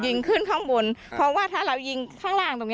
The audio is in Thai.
ยิงขึ้นข้างบนเพราะว่าถ้าเรายิงข้างล่างตรงนี้